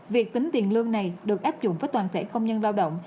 việc tính tiền lương này được áp dụng với toàn thể công nhân lao động